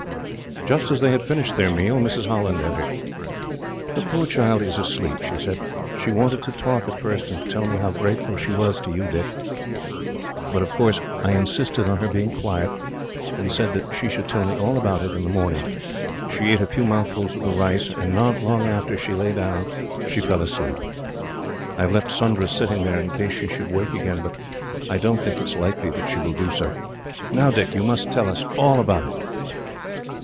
Just as they had finished their meal, Mrs. Holland entered. "The poor child is asleep," she said. "She wanted to talk at first, and to tell me how grateful she was to you, Dick; but of course I insisted on her being quiet, and said that she should tell me all about it, in the morning. She ate a few mouthfuls of the rice, and not long after she lay down, she fell asleep. I have left Sundra sitting there, in case she should wake up again, but I don't think it is likely that she will do so. "Now, Dick, you must tell us all about it."